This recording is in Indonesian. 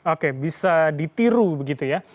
oke bisa ditiru begitu ya